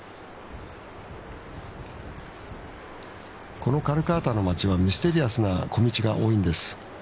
このカルカータの町はミステリアスな小道が多いんです。